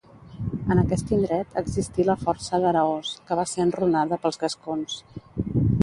En aquest indret existí la Força d'Araós que va ser enrunada pels gascons.